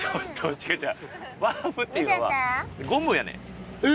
違う違う。